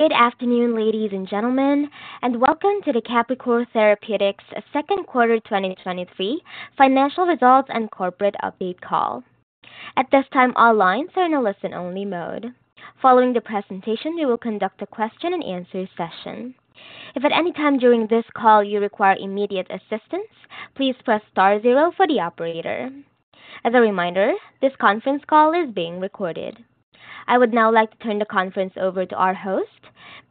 Good afternoon, ladies and gentlemen, and welcome to the Capricor Therapeutics second quarter 2023 financial results and corporate update call. At this time, all lines are in a listen-only mode. Following the presentation, we will conduct a question and answer session. If at any time during this call you require immediate assistance, please press star zero for the operator. As a reminder, this conference call is being recorded. I would now like to turn the conference over to our host,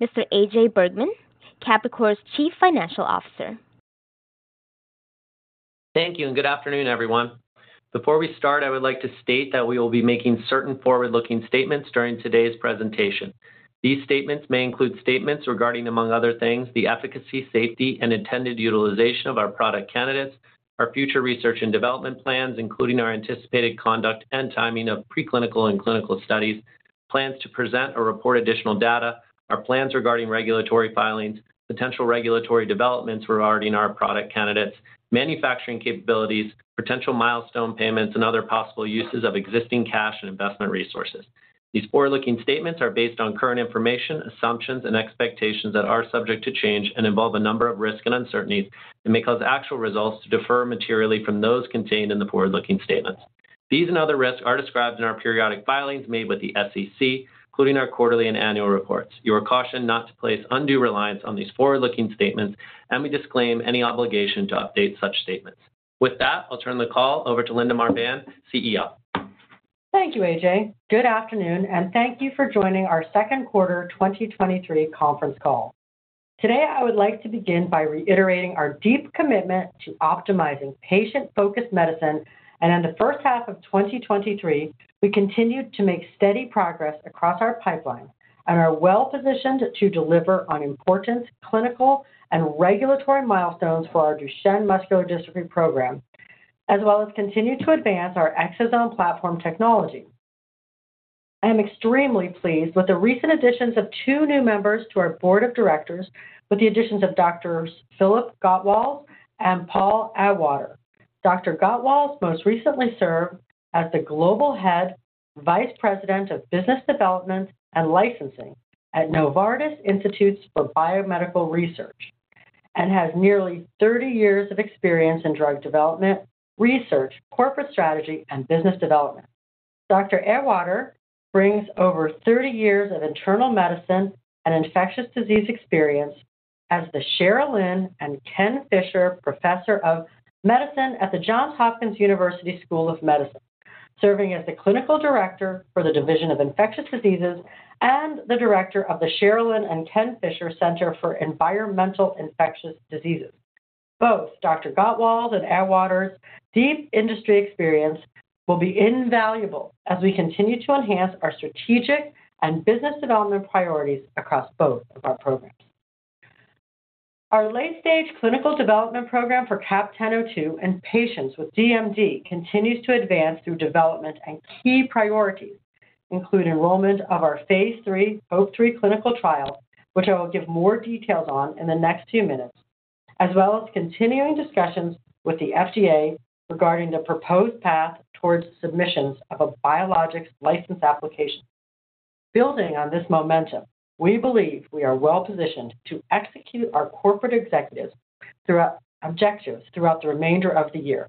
Mr. AJ Bergmann, Capricor's Chief Financial Officer. Thank you, and good afternoon, everyone. Before we start, I would like to state that we will be making certain forward-looking statements during today's presentation. These statements may include statements regarding, among other things, the efficacy, safety, and intended utilization of our product candidates, our future research and development plans, including our anticipated conduct and timing of preclinical and clinical studies, plans to present or report additional data, our plans regarding regulatory filings, potential regulatory developments regarding our product candidates, manufacturing capabilities, potential milestone payments, and other possible uses of existing cash and investment resources. These forward-looking statements are based on current information, assumptions, and expectations that are subject to change and involve a number of risks and uncertainties and may cause actual results to differ materially from those contained in the forward-looking statements. These and other risks are described in our periodic filings made with the SEC, including our quarterly and annual reports. You are cautioned not to place undue reliance on these forward-looking statements, and we disclaim any obligation to update such statements. With that, I'll turn the call over to Linda Marbán, CEO. Thank you, AJ. Good afternoon, and thank you for joining our second quarter 2023 conference call. Today, I would like to begin by reiterating our deep commitment to optimizing patient-focused medicine, in the first half of 2023, we continued to make steady progress across our pipeline and are well positioned to deliver on important clinical and regulatory milestones for our Duchenne muscular dystrophy program, as well as continue to advance our exosome platform technology. I am extremely pleased with the recent additions of two new members to our board of directors, with the additions of Doctors Philip Gottwald and Paul Auwaerter. Dr. Gottwald most recently served as the Global Head Vice President of Business Development and Licensing at Novartis Institutes for BioMedical Research and has nearly 30 years of experience in drug development, research, corporate strategy, and business development. Dr. Atwater brings over 30 years of internal medicine and infectious disease experience as the Sherrilyn and Ken Fisher Professor of Medicine at the Johns Hopkins University School of Medicine, serving as the Clinical Director for the Division of Infectious Diseases and the Director of the Sherrilyn and Ken Fisher Center for Environmental Infectious Diseases. Both Dr. Gottwald and Atwater's deep industry experience will be invaluable as we continue to enhance our strategic and business development priorities across both of our programs. Our late-stage clinical development program for CAP-1002 in patients with DMD continues to advance through development, and key priorities include enrollment of our phase III, HOPE-3 clinical trial, which I will give more details on in the next 2 minutes, as well as continuing discussions with the FDA regarding the proposed path towards submissions of a Biologics License Application. Building on this momentum, we believe we are well positioned to execute our corporate objectives throughout the remainder of the year.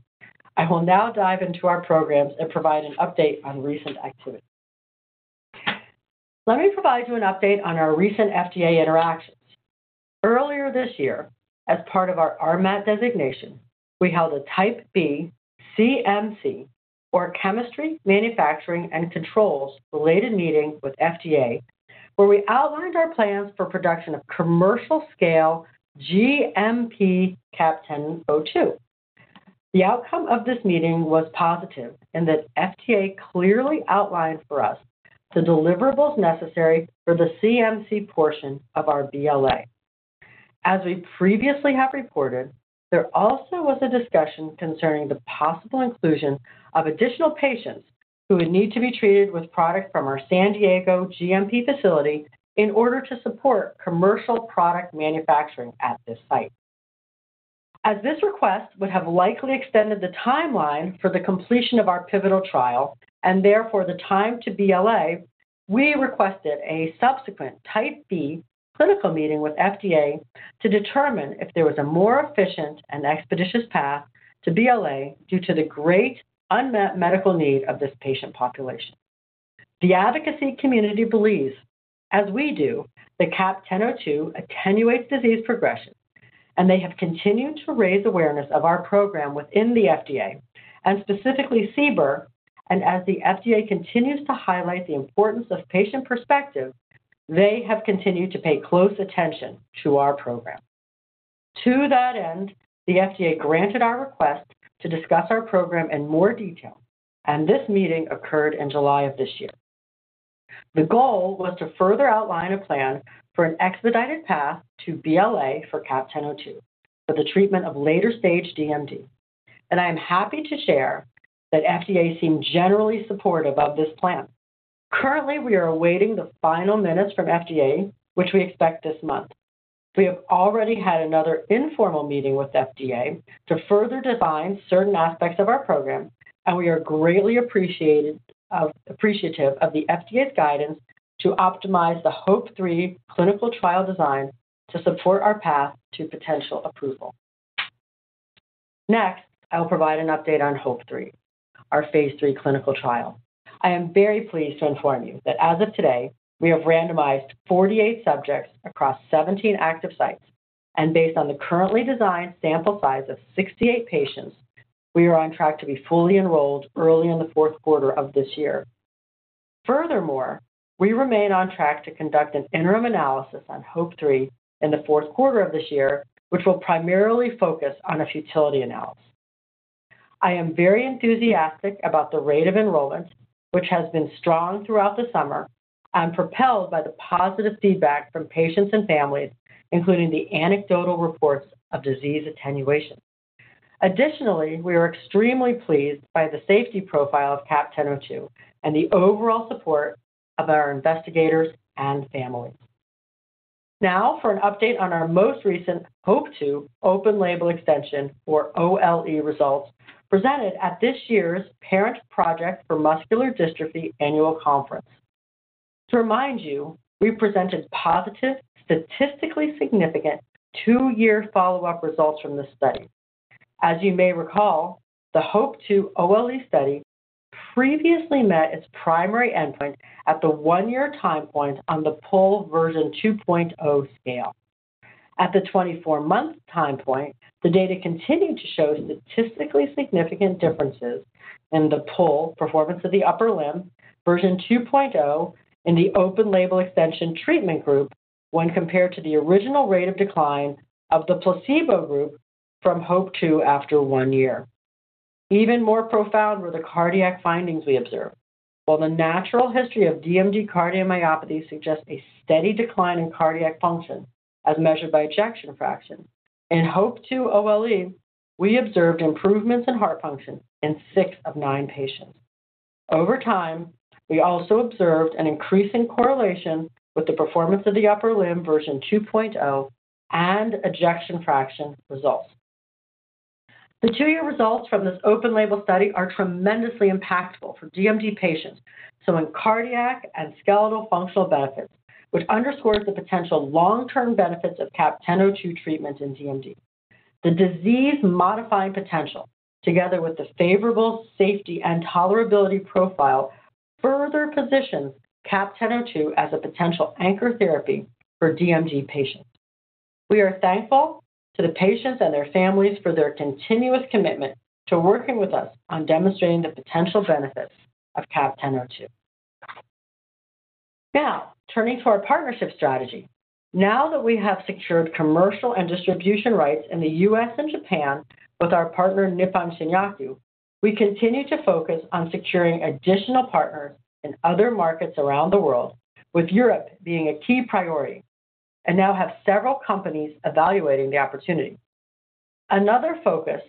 I will now dive into our programs and provide an update on recent activities. Let me provide you an update on our recent FDA interactions. Earlier this year, as part of our RMAT designation, we held a Type B CMC, or chemistry, manufacturing, and controls, related meeting with FDA, where we outlined our plans for production of commercial scale GMP CAP-1002. The outcome of this meeting was positive in that FDA clearly outlined for us the deliverables necessary for the CMC portion of our BLA. As we previously have reported, there also was a discussion concerning the possible inclusion of additional patients who would need to be treated with product from our San Diego GMP facility in order to support commercial product manufacturing at this site. As this request would have likely extended the timeline for the completion of our pivotal trial, and therefore the time to BLA, we requested a subsequent Type B clinical meeting with FDA to determine if there was a more efficient and expeditious path to BLA due to the great unmet medical need of this patient population. The advocacy community believes, as we do, that CAP-1002 attenuates disease progression, and they have continued to raise awareness of our program within the FDA and specifically CBER. As the FDA continues to highlight the importance of patient perspective, they have continued to pay close attention to our program. To that end, the FDA granted our request to discuss our program in more detail, and this meeting occurred in July of this year. The goal was to further outline a plan for an expedited path to BLA for CAP-1002 for the treatment of later-stage DMD, and I am happy to share that FDA seemed generally supportive of this plan. Currently, we are awaiting the final minutes from FDA, which we expect this month. We have already had another informal meeting with FDA to further define certain aspects of our program, and we are greatly appreciative of the FDA's guidance to optimize the HOPE-3 clinical trial design to support our path to potential approval. Next, I will provide an update on HOPE-3, our phase III clinical trial. I am very pleased to inform you that as of today, we have randomized 48 subjects across 17 active sites, and based on the currently designed sample size of 68 patients, we are on track to be fully enrolled early in the fourth quarter of this year. Furthermore, we remain on track to conduct an interim analysis on HOPE-3 in the fourth quarter of this year, which will primarily focus on a futility analysis. I am very enthusiastic about the rate of enrollment, which has been strong throughout the summer and propelled by the positive feedback from patients and families, including the anecdotal reports of disease attenuation. Additionally, we are extremely pleased by the safety profile of CAP-1002 and the overall support of our investigators and families. Now, for an update on our most recent HOPE-2 open-label extension, or OLE, results presented at this year's Parent Project Muscular Dystrophy Annual Conference. To remind you, we presented positive, statistically significant two-year follow-up results from this study. As you may recall, the HOPE-2 OLE study previously met its primary endpoint at the one-year time point on the PUL 2.0 scale. At the 24-month time point, the data continued to show statistically significant differences in the PUL, Performance of the Upper Limb, 2.0 in the open-label extension treatment group when compared to the original rate of decline of the placebo group from HOPE-2 after one year. Even more profound were the cardiac findings we observed. While the natural history of DMD cardiomyopathy suggests a steady decline in cardiac function as measured by ejection fraction, in HOPE-2 OLE, we observed improvements in heart function in six of nine patients. Over time, we also observed an increase in correlation with the Performance of the Upper Limb Version 2.0 and ejection fraction results. The two-year results from this open label study are tremendously impactful for DMD patients, showing cardiac and skeletal functional benefits, which underscores the potential long-term benefits of CAP-1002 treatments in DMD. The disease-modifying potential, together with the favorable safety and tolerability profile, further positions CAP-1002 as a potential anchor therapy for DMD patients. We are thankful to the patients and their families for their continuous commitment to working with us on demonstrating the potential benefits of CAP-1002. Now, turning to our partnership strategy. Now that we have secured commercial and distribution rights in the U.S. and Japan with our partner, Nippon Shinyaku, we continue to focus on securing additional partners in other markets around the world, with Europe being a key priority, and now have several companies evaluating the opportunity. Another focus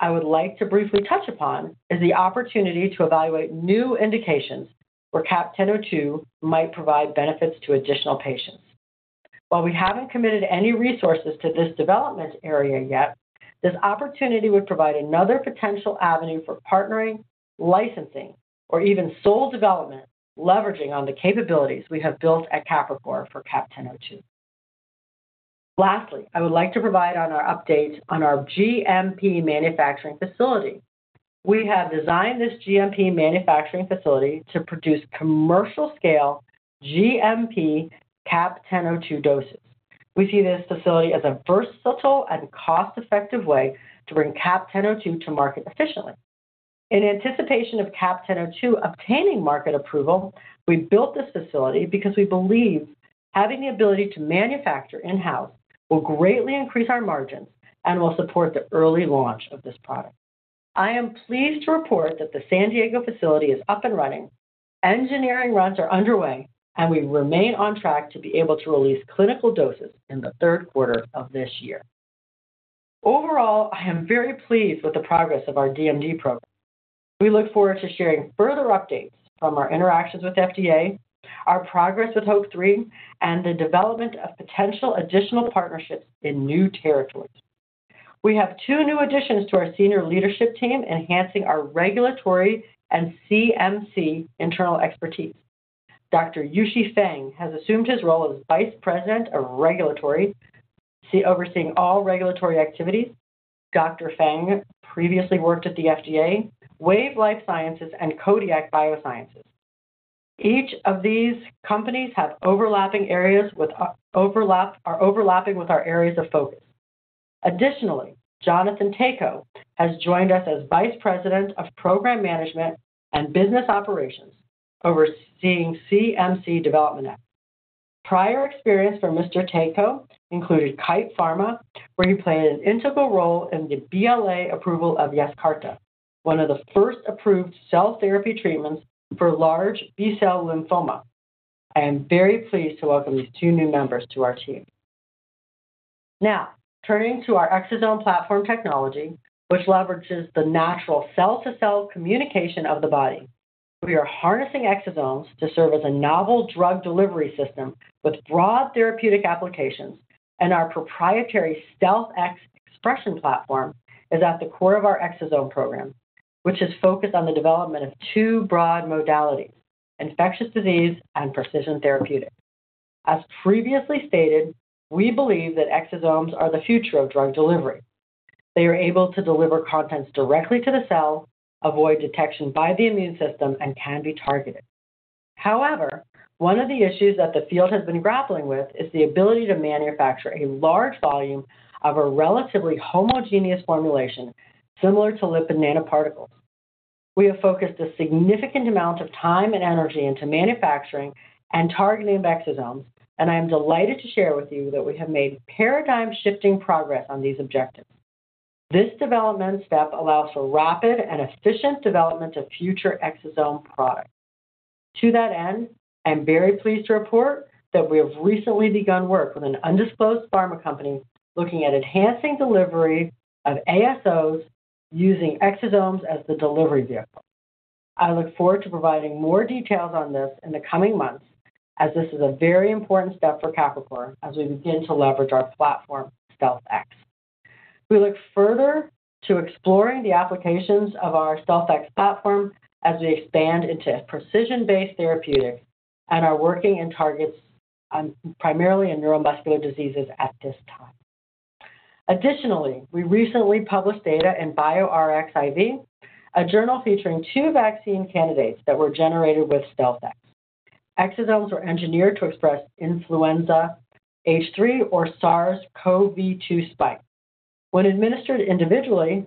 I would like to briefly touch upon is the opportunity to evaluate new indications where CAP-1002 might provide benefits to additional patients. While we haven't committed any resources to this development area yet, this opportunity would provide another potential avenue for partnering, licensing, or even sole development, leveraging on the capabilities we have built at Capricor for CAP-1002. Lastly, I would like to provide on our update on our GMP manufacturing facility. We have designed this GMP manufacturing facility to produce commercial scale GMP CAP-1002 doses. We see this facility as a versatile and cost-effective way to bring CAP-1002 to market efficiently. In anticipation of CAP-1002 obtaining market approval, we built this facility because we believe having the ability to manufacture in-house will greatly increase our margins and will support the early launch of this product. I am pleased to report that the San Diego facility is up and running. Engineering runs are underway, and we remain on track to be able to release clinical doses in the third quarter of this year. Overall, I am very pleased with the progress of our DMD program. We look forward to sharing further updates from our interactions with FDA, our progress with HOPE-3, and the development of potential additional partnerships in new territories. We have two new additions to our senior leadership team, enhancing our regulatory and CMC internal expertise. Dr. Yuxi Feng has assumed his role as Vice President of Regulatory, overseeing all regulatory activities. Dr. Feng previously worked at the FDA, Wave Life Sciences, and Kodiak Sciences. Each of these companies have overlapping areas with our areas of focus. Jonathan Tako has joined us as Vice President of Program Management and Business Operations, overseeing CMC development. Prior experience for Mr. Tako included Kite Pharma, where he played an integral role in the BLA approval of Yescarta, one of the first approved cell therapy treatments for large B-cell lymphoma. I am very pleased to welcome these two new members to our team. Turning to our exosome platform technology, which leverages the natural cell-to-cell communication of the body.... We are harnessing exosomes to serve as a novel drug delivery system with broad therapeutic applications, and our proprietary StealthX expression platform is at the core of our exosome program, which is focused on the development of two broad modalities: infectious disease and precision therapeutics. As previously stated, we believe that exosomes are the future of drug delivery. They are able to deliver contents directly to the cell, avoid detection by the immune system, and can be targeted. However, one of the issues that the field has been grappling with is the ability to manufacture a large volume of a relatively homogeneous formulation, similar to lipid nanoparticles. We have focused a significant amount of time and energy into manufacturing and targeting exosomes, and I am delighted to share with you that we have made paradigm-shifting progress on these objectives. This development step allows for rapid and efficient development of future exosome products. To that end, I'm very pleased to report that we have recently begun work with an undisclosed pharma company looking at enhancing delivery of ASOs using exosomes as the delivery vehicle. I look forward to providing more details on this in the coming months, as this is a very important step for Capricor as we begin to leverage our platform, StealthX. We look further to exploring the applications of our StealthX platform as we expand into precision-based therapeutics and are working in targets on, primarily in neuromuscular diseases at this time. Additionally, we recently published data in bioRxiv, a journal featuring two vaccine candidates that were generated with StealthX. Exosomes were engineered to express influenza H3 or SARS-CoV-2 spike. When administered individually,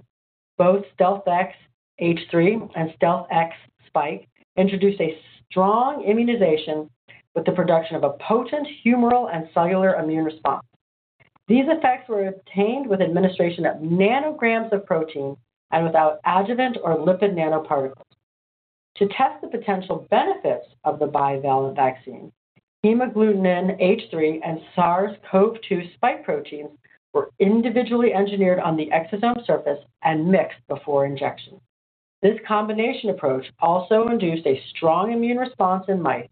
both StealthX-H3 and StealthX-Spike introduced a strong immunization with the production of a potent humoral and cellular immune response. These effects were obtained with administration of nanograms of protein and without adjuvant or lipid nanoparticles. To test the potential benefits of the bivalent vaccine, hemagglutinin H3 and SARS-CoV-2 spike proteins were individually engineered on the exosome surface and mixed before injection. This combination approach also induced a strong immune response in mice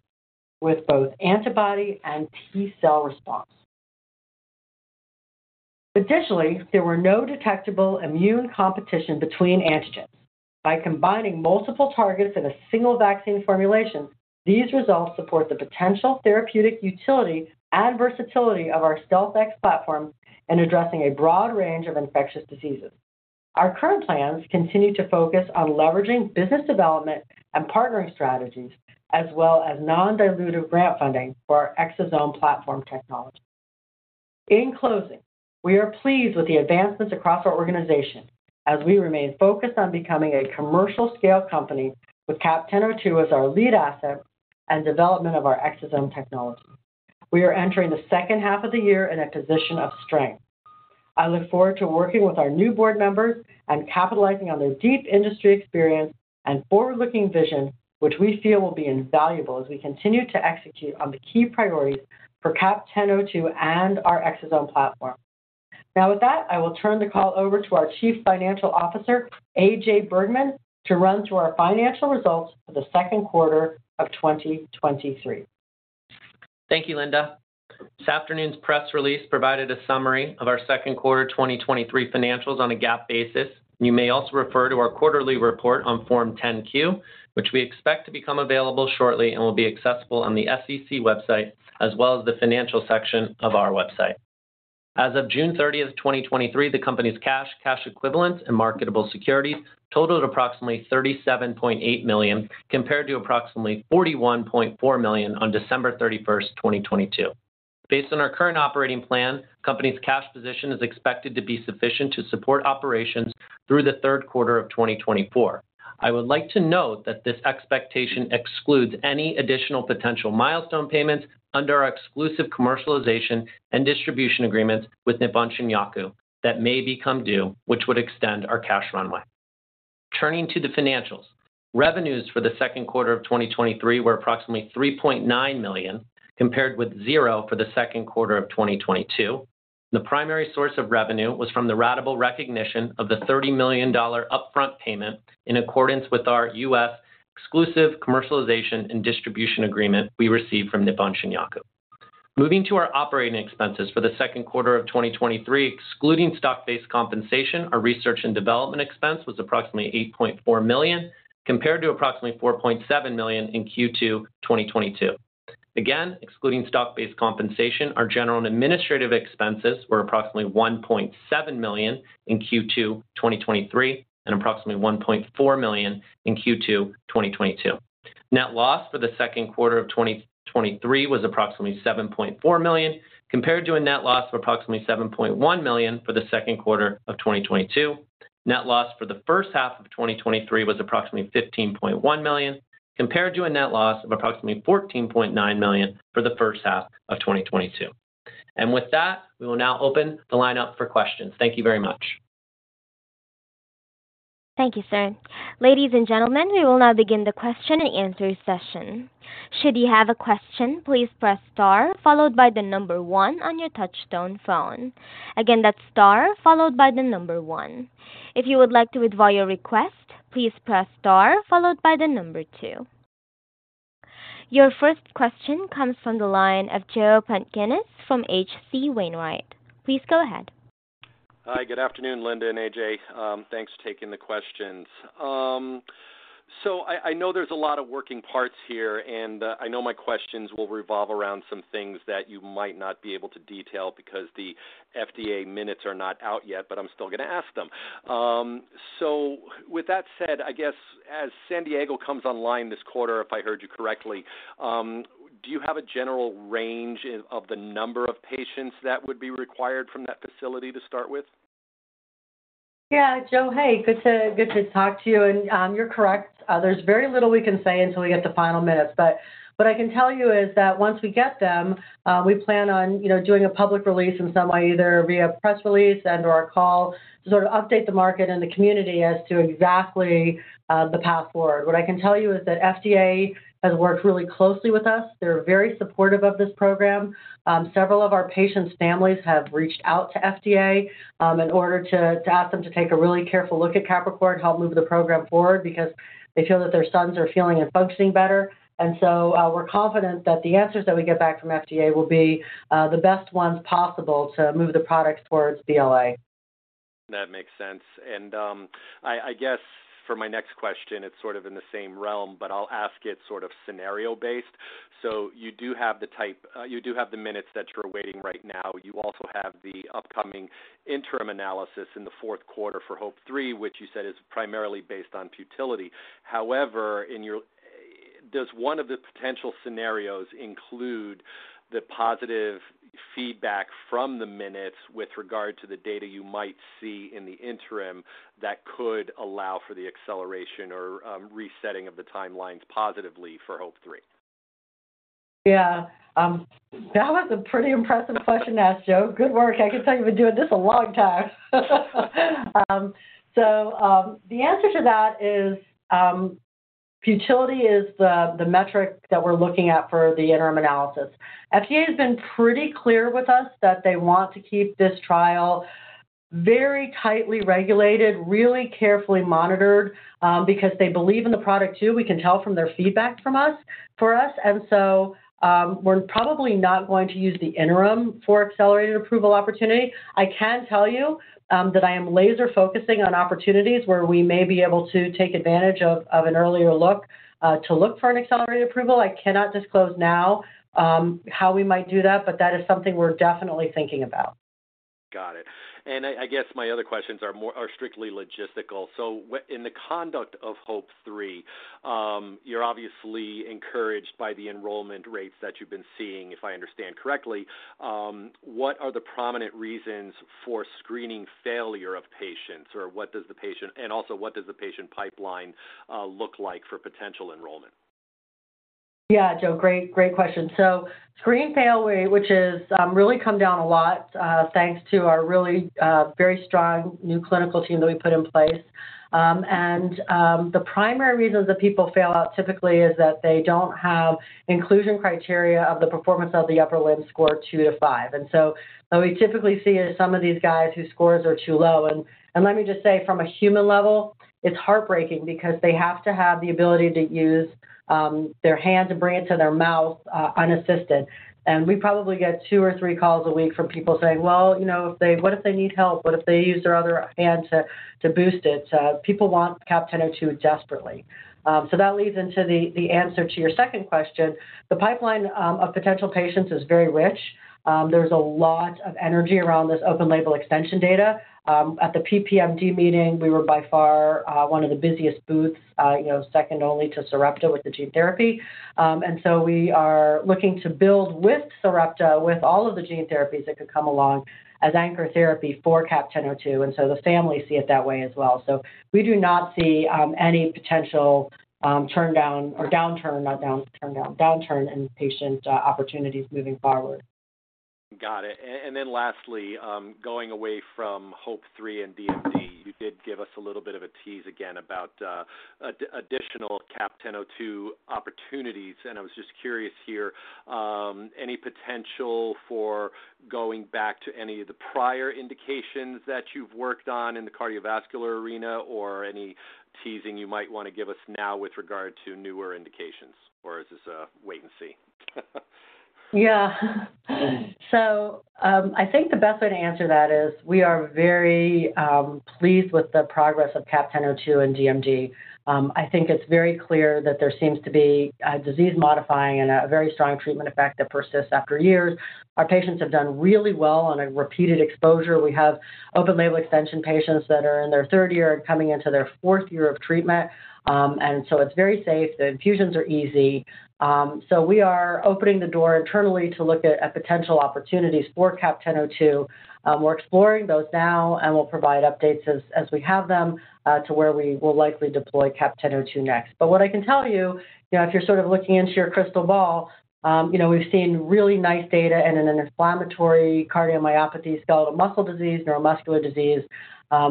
with both antibody and T-cell response. Additionally, there were no detectable immune competition between antigens. By combining multiple targets in a single vaccine formulation, these results support the potential therapeutic utility and versatility of our StealthX platform in addressing a broad range of infectious diseases. Our current plans continue to focus on leveraging business development and partnering strategies, as well as non-dilutive grant funding for our exosome platform technology. In closing, we are pleased with the advancements across our organization as we remain focused on becoming a commercial-scale company with CAP-1002 as our lead asset and development of our exosome technology. We are entering the second half of the year in a position of strength. I look forward to working with our new board members and capitalizing on their deep industry experience and forward-looking vision, which we feel will be invaluable as we continue to execute on the key priorities for CAP-1002 and our exosome platform. With that, I will turn the call over to our Chief Financial Officer, AJ Bergmann, to run through our financial results for the second quarter of 2023. Thank you, Linda. This afternoon's press release provided a summary of our second quarter 2023 financials on a GAAP basis. You may also refer to our quarterly report on Form 10-Q, which we expect to become available shortly and will be accessible on the SEC website, as well as the financial section of our website. As of June 30, 2023, the company's cash, cash equivalents, and marketable securities totaled approximately $37.8 million, compared to approximately $41.4 million on December 31st, 2022. Based on our current operating plan, the company's cash position is expected to be sufficient to support operations through the third quarter of 2024. I would like to note that this expectation excludes any additional potential milestone payments under our exclusive commercialization and distribution agreements with Nippon Shinyaku that may become due, which would extend our cash runway. Turning to the financials. Revenues for the second quarter of 2023 were approximately $3.9 million, compared with zero for the second quarter of 2022. The primary source of revenue was from the ratable recognition of the $30 million upfront payment in accordance with our U.S. exclusive commercialization and distribution agreement we received from Nippon Shinyaku. Moving to our operating expenses for the second quarter of 2023, excluding stock-based compensation, our research and development expense was approximately $8.4 million, compared to approximately $4.7 million in Q2 2022. Again, excluding stock-based compensation, our general and administrative expenses were approximately $1.7 million in Q2 2023 and approximately $1.4 million in Q2 2022. Net loss for the second quarter of 2023 was approximately $7.4 million, compared to a net loss of approximately $7.1 million for the second quarter of 2022. Net loss for the first half of 2023 was approximately $15.1 million, compared to a net loss of approximately $14.9 million for the first half of 2022. With that, we will now open the line up for questions. Thank you very much. Thank you, sir. Ladies and gentlemen, we will now begin the question and answer session. Should you have a question, please press star followed by the number one on your touchtone phone. Again, that's star followed by the number one. If you would like to withdraw your request, please press star followed by the number two. Your first question comes from the line of Joe Pantginis from H.C. Wainwright. Please go ahead. Hi, good afternoon, Linda and AJ. Thanks for taking the questions. I, I know there's a lot of working parts here, and I know my questions will revolve around some things that you might not be able to detail because the FDA minutes are not out yet, but I'm still gonna ask them. With that said, I guess as San Diego comes online this quarter, if I heard you correctly, do you have a general range of, of the number of patients that would be required from that facility to start with? Yeah. Joe, hey, good to, good to talk to you. You're correct. There's very little we can say until we get the final minutes, but what I can tell you is that once we get them, we plan on, you know, doing a public release in some way, either via press release and/or a call, to sort of update the market and the community as to exactly, the path forward. What I can tell you is that FDA has worked really closely with us. They're very supportive of this program. Several of our patients' families have reached out to FDA, in order to, to ask them to take a really careful look at Capricor to help move the program forward because they feel that their sons are feeling and functioning better. We're confident that the answers that we get back from FDA will be the best ones possible to move the product towards BLA. That makes sense. I, I guess for my next question, it's sort of in the same realm, but I'll ask it sort of scenario-based. You do have the minutes that you're awaiting right now. You also have the upcoming interim analysis in the fourth quarter for HOPE-3, which you said is primarily based on futility. However, does one of the potential scenarios include the positive feedback from the minutes with regard to the data you might see in the interim that could allow for the acceleration or resetting of the timelines positively for HOPE-3? Yeah. That was a pretty impressive question asked, Joe. Good work. I can tell you've been doing this a long time. The answer to that is, futility is the, the metric that we're looking at for the interim analysis. FDA has been pretty clear with us that they want to keep this trial very tightly regulated, really carefully monitored, because they believe in the product too. We can tell from their feedback from us, for us, and so, we're probably not going to use the interim for accelerated approval opportunity. I can tell you, that I am laser focusing on opportunities where we may be able to take advantage of, of an earlier look, to look for an accelerated approval. I cannot disclose now, how we might do that, but that is something we're definitely thinking about. Got it. I guess my other questions are more, are strictly logistical. In the conduct of HOPE-3, you're obviously encouraged by the enrollment rates that you've been seeing, if I understand correctly. What are the prominent reasons for screening failure of patients, or what does the patient and also, what does the patient pipeline, look like for potential enrollment? Joe, great, great question. Screening failure, which is really come down a lot, thanks to our really very strong new clinical team that we put in place. The primary reasons that people fail out typically is that they don't have inclusion criteria of the Performance of the Upper Limb score 2-5. What we typically see is some of these guys whose scores are too low. Let me just say, from a human level, it's heartbreaking because they have to have the ability to use their hand to bring it to their mouth unassisted. We probably get 2 or 3 calls a week from people saying, "Well, you know, if they-- what if they need help? What if they use their other hand to, to boost it?" People want CAP-1002 desperately. That leads into the, the answer to your second question. The pipeline of potential patients is very rich. There's a lot of energy around this open label extension data. At the PPMD meeting, we were by far, one of the busiest booths, you know, second only to Sarepta with the gene therapy. We are looking to build with Sarepta, with all of the gene therapies that could come along as anchor therapy for CAP-1002, and so the families see it that way as well. We do not see any potential turndown or downturn, not turndown, turndown, downturn in patient opportunities moving forward. Got it. Then lastly, going away from HOPE-3 and DMD, you did give us a little bit of a tease again about additional CAP-1002 opportunities. I was just curious here, any potential for going back to any of the prior indications that you've worked on in the cardiovascular arena or any teasing you might wanna give us now with regard to newer indications, or is this a wait and see? Yeah. I think the best way to answer that is we are very pleased with the progress of CAP-1002 and DMD. I think it's very clear that there seems to be a disease-modifying and a very strong treatment effect that persists after years. Our patients have done really well on a repeated exposure. We have open-label extension patients that are in their third year and coming into their fourth year of treatment. It's very safe. The infusions are easy. We are opening the door internally to look at potential opportunities for CAP-1002. We're exploring those now, and we'll provide updates as we have them to where we will likely deploy CAP-1002 next. What I can tell you, you know, if you're sort of looking into your crystal ball, you know, we've seen really nice data in an inflammatory cardiomyopathy, skeletal muscle disease, neuromuscular disease.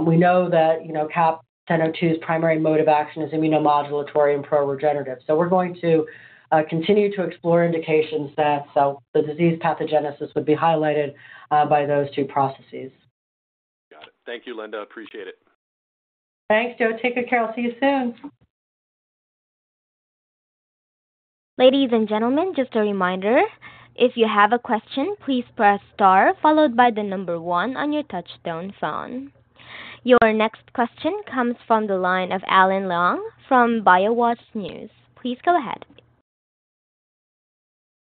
We know that, you know, CAP-1002's primary mode of action is immunomodulatory and pro-regenerative. We're going to continue to explore indications that, so the disease pathogenesis would be highlighted by those two processes. Got it. Thank you, Linda. Appreciate it. Thanks, Joe. Take good care. I'll see you soon. Ladies and gentlemen, just a reminder, if you have a question, please press star followed by the number 1 on your touchtone phone. Your next question comes from the line of Alan Leong from BioWatch News. Please go ahead.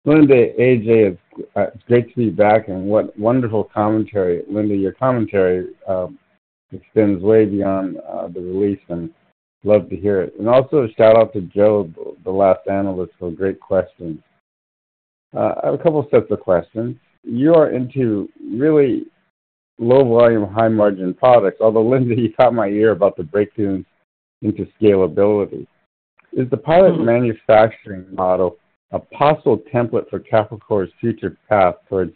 Linda, AJ, it's great to be back, and what wonderful commentary. Linda, your commentary extends way beyond the release, and love to hear it. Also, shout out to Joe, the last analyst, for a great question. I have a couple sets of questions. You are into really low volume, high margin products, although, Linda, you caught my ear about the breakthroughs into scalability. Is the pilot manufacturing model a possible template for Capricor's future path towards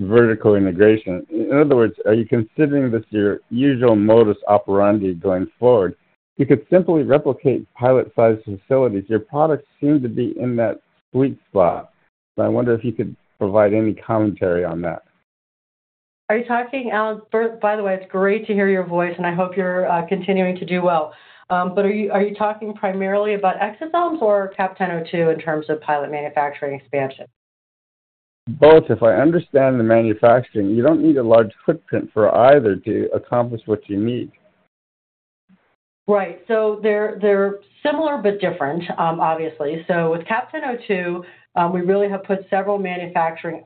vertical integration? In other words, are you considering this your usual modus operandi going forward? You could simply replicate pilot-sized facilities. Your products seem to be in that sweet spot, so I wonder if you could provide any commentary on that. Are you talking, Alan? First, by the way, it's great to hear your voice, and I hope you're continuing to do well. Are you, are you talking primarily about exosomes or CAP-1002 in terms of pilot manufacturing expansion? Both. If I understand the manufacturing, you don't need a large footprint for either to accomplish what you need. Right. They're, they're similar but different, obviously. With CAP-1002, we really have put several manufacturing,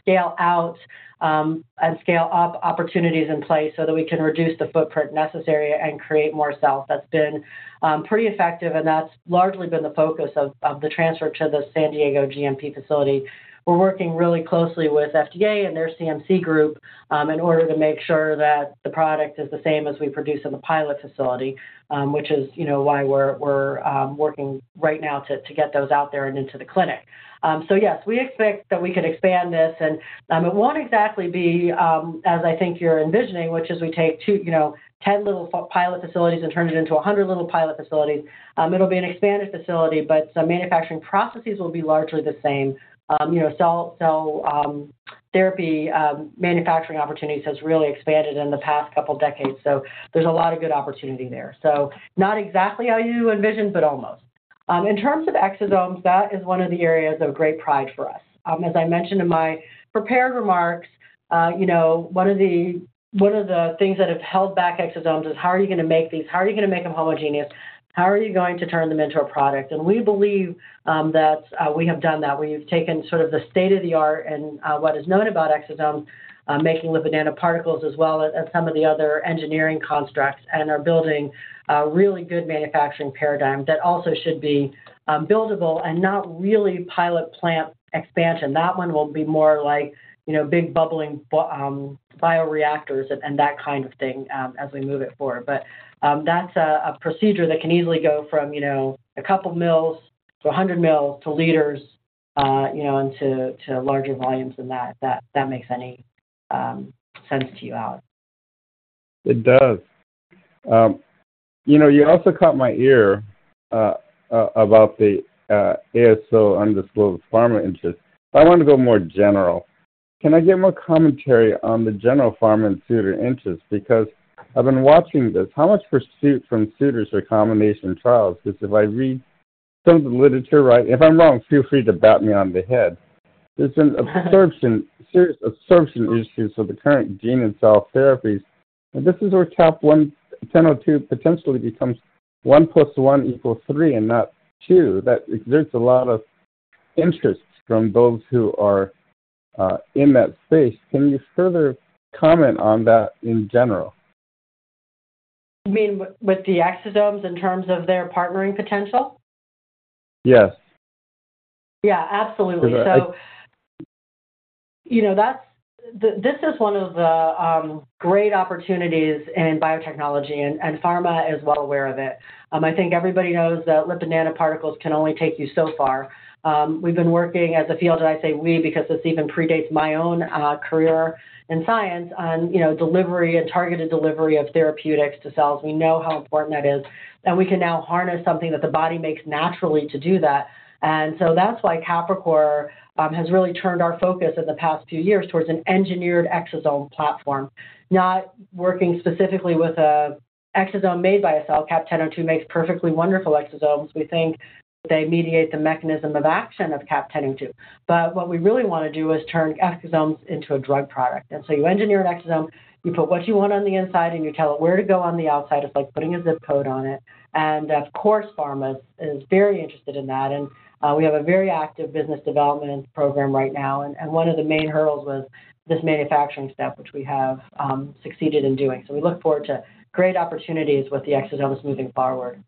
scale-out, and scale-up opportunities in place so that we can reduce the footprint necessary and create more cells. That's been pretty effective, and that's largely been the focus of, of the transfer to the San Diego GMP facility. We're working really closely with FDA and their CMC group, in order to make sure that the product is the same as we produce in the pilot facility, which is, you know, why we're, we're, working right now to, to get those out there and into the clinic. Yes, we expect that we can expand this, and it won't exactly be, as I think you're envisioning, which is we take you know, 10 little pilot facilities and turn it into 100 little pilot facilities. It'll be an expanded facility, the manufacturing processes will be largely the same. You know, cell, cell therapy manufacturing opportunities has really expanded in the past couple decades, there's a lot of good opportunity there. Not exactly how you envisioned, but almost. In terms of exosomes, that is one of the areas of great pride for us. As I mentioned in my prepared remarks, you know, one of the, one of the things that have held back exosomes is how are you gonna make these? How are you gonna make them homogeneous? How are you going to turn them into a product? We believe, that, we have done that. We've taken sort of the state-of-the-art and what is known about exosomes, making lipid nanoparticles as well as some of the other engineering constructs, and are building a really good manufacturing paradigm that also should be buildable and not really pilot plant expansion. That one will be more like, you know, big bubbling bioreactors and that kind of thing, as we move it forward. That's a procedure that can easily go from, you know, a couple mils to 100 mils to liters, you know, into, to larger volumes than that, if that that makes any sense to you, Alan. It does. You know, you also caught my ear about the ASO undisclosed pharma interest. I want to go more general. Can I get more commentary on the general pharma and suitor interest? Because I've been watching this. How much pursuit from suitors for combination trials? Because if I read some of the literature right. If I'm wrong, feel free to bat me on the head. There's an absorption, serious absorption issues of the current gene and cell therapies, and this is where CAP-1002 potentially becomes 1 + 1 equals 3 and not 2. That exerts a lot of interest from those who are in that space. Can you further comment on that in general? You mean with, with the exosomes in terms of their partnering potential? Yes. Yeah, absolutely. Right. You know, that's. This is one of the great opportunities in biotechnology, and pharma is well aware of it. I think everybody knows that lipid nanoparticles can only take you so far. We've been working as a field, and I say we, because this even predates my own career in science, on, you know, delivery and targeted delivery of therapeutics to cells. We know how important that is, that we can now harness something that the body makes naturally to do that. That's why Capricor has really turned our focus in the past few years towards an engineered exosome platform. Not working specifically with a exosome made by a cell. CAP-1002 makes perfectly wonderful exosomes. We think they mediate the mechanism of action of CAP-1002. What we really wanna do is turn exosomes into a drug product. You engineer an exosome, you put what you want on the inside, and you tell it where to go on the outside. It's like putting a zip code on it. Of course, pharma is very interested in that, and we have a very active business development program right now, and, and one of the main hurdles was this manufacturing step, which we have succeeded in doing. We look forward to great opportunities with the exosomes moving forward.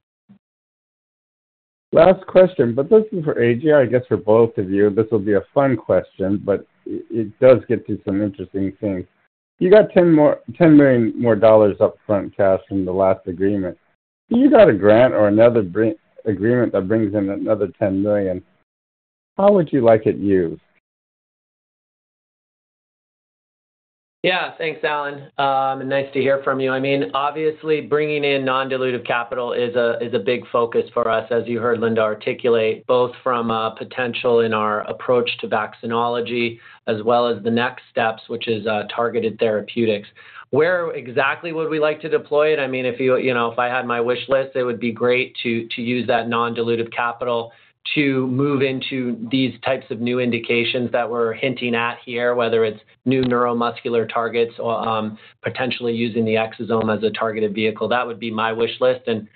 Last question, this is for AJ, I guess for both of you. This will be a fun question, but it does get to some interesting things. You got $10 million more up front cash from the last agreement. If you got a grant or another agreement that brings in another $10 million, how would you like it used? Yeah, thanks, Alan. Nice to hear from you. I mean, obviously, bringing in non-dilutive capital is a, is a big focus for us, as you heard Linda articulate, both from potential in our approach to vaccinology as well as the next steps, which is targeted therapeutics. Where exactly would we like to deploy it? I mean, if you, you know, if I had my wish list, it would be great to, to use that non-dilutive capital to move into these types of new indications that we're hinting at here, whether it's new neuromuscular targets or potentially using the exosome as a targeted vehicle. That would be my wish list, and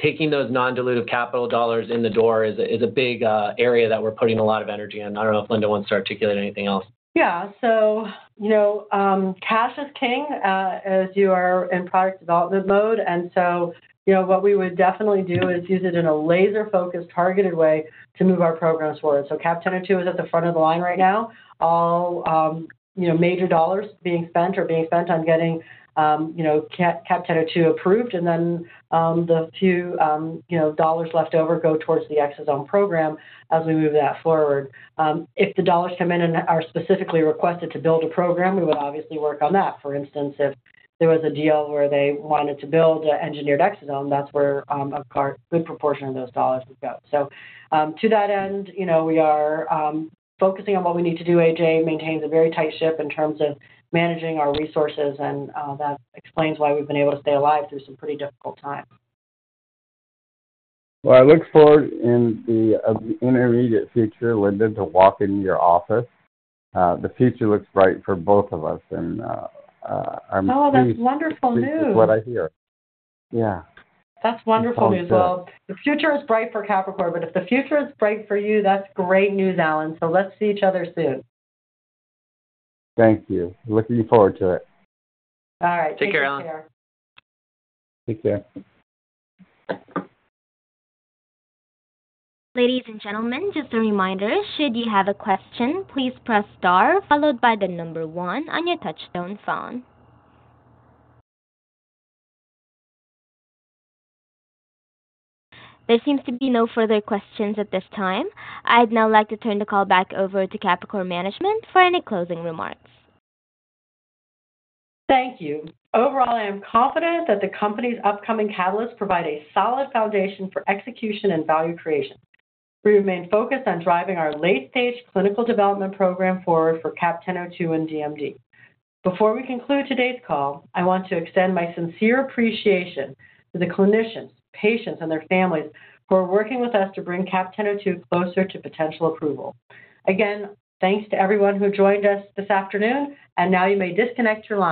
taking those non-dilutive capital dollars in the door is a, is a big area that we're putting a lot of energy in. I don't know if Linda wants to articulate anything else. Yeah. You know, cash is king, as you are in product development mode, and so, you know, what we would definitely do is use it in a laser-focused, targeted way to move our programs forward. CAP-1002 is at the front of the line right now. All, you know, major dollars being spent are being spent on getting, you know, CAP-1002 approved, and then, the few, you know, dollars left over go towards the exosome program as we move that forward. If the dollars come in and are specifically requested to build a program, we would obviously work on that. For instance, if there was a deal where they wanted to build an engineered exosome, that's where a good proportion of those dollars would go. To that end, you know, we are focusing on what we need to do. AJ maintains a very tight ship in terms of managing our resources, and that explains why we've been able to stay alive through some pretty difficult times. Well, I look forward in the intermediate future, Linda, to walk into your office. The future looks bright for both of us, and. Oh, that's wonderful news. That's what I hear. Yeah. That's wonderful news. It's all good. Well, the future is bright for Capricor, but if the future is bright for you, that's great news, Alan, so let's see each other soon. Thank you. Looking forward to it. All right. Take care. Take care, Alan. Take care. Ladies and gentlemen, just a reminder, should you have a question, please press star followed by the number one on your touchtone phone. There seems to be no further questions at this time. I'd now like to turn the call back over to Capricor management for any closing remarks. Thank you. Overall, I am confident that the company's upcoming catalysts provide a solid foundation for execution and value creation. We remain focused on driving our late-stage clinical development program forward for CAP-1002 and DMD. Before we conclude today's call, I want to extend my sincere appreciation to the clinicians, patients, and their families who are working with us to bring CAP-1002 closer to potential approval. Again, thanks to everyone who joined us this afternoon, now you may disconnect your lines.